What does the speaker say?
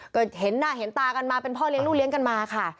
ก็เห็นตากันมาเป็นพ่อเลี้ยงลูกเลี้ยงกันมาค่ะ